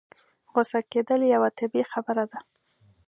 غوسه کېدل يوه طبيعي خبره ده.